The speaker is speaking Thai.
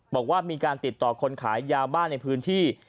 บอกว่ามีการติดต่อคนขายยาบ้านในพื้นที่